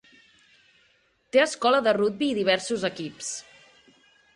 Té escola de rugbi i diversos equips.